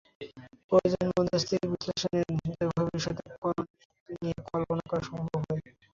প্রয়োজন মনস্তাত্ত্বিক বিশ্লেষণের, যাতে ভবিষ্যতের করণীয় নিয়ে পরিকল্পনা করা সম্ভব হয়।